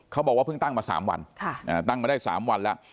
เขาบอกว่าเพิ่งตั้งมา๓วันตั้งมาได้๓วันแล้ว